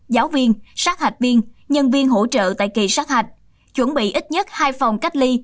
giáo viên sát hạch viên nhân viên hỗ trợ tại kỳ sát hạch chuẩn bị ít nhất hai phòng cách ly